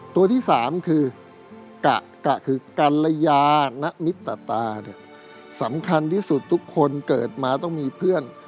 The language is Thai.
ตัวที่สามคือกะคือกัลยาณมิตาเนี่ยสำคัญที่สุดทุกคนเกิดมาต้องมีเพื่อน